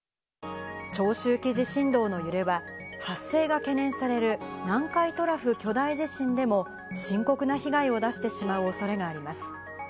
長周期地震動の揺れは、発生が懸念される南海トラフ巨大地震でも、深刻な被害を出してしまうおそれがあります。